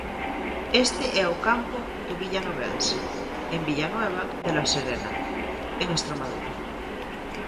Este é o campo do Villanovense, en Villanueva de la Serena, en Estremadura.